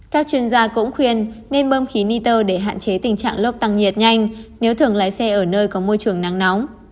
các chuyên gia cũng khuyên nên bơm khí niter để hạn chế tình trạng lốc tăng nhiệt nhanh nếu thường lái xe ở nơi có môi trường nắng nóng